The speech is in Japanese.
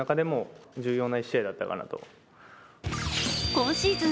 今シーズン